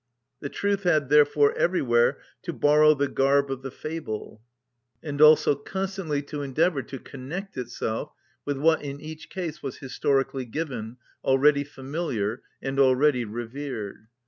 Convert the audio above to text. The truth had therefore everywhere to borrow the garb of the fable, and also constantly to endeavour to connect itself with what in each case was historically given, already familiar, and already revered.